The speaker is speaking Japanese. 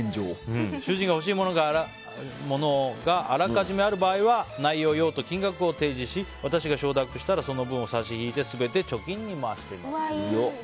主人が欲しいものがあらかじめある場合は内容、用途、金額を提示し私が承諾したらその分を差し引いて全て貯金に回しています。